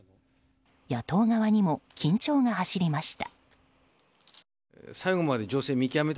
野党側にも緊張が走りました。